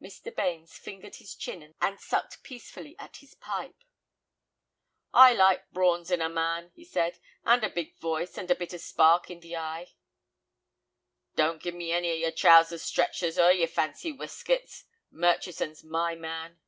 Mr. Bains fingered his chin and sucked peacefully at his pipe. "I likes brawn in a man," he said, "and a big voice, and a bit of spark in th' eye." "Don't give me any of yer 'trousers stretchers' or yer fancy weskits—Murchison's my man."